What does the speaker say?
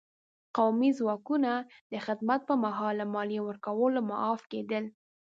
قومي ځواکونه د خدمت په مهال له مالیې ورکولو معاف کېدل.